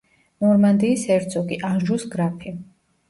ნორმანდიის ჰერცოგი, ანჟუს გრაფი.